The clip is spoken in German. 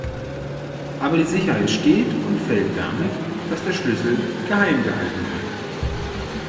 Aber die Sicherheit steht und fällt damit, dass der Schlüssel geheim gehalten wird.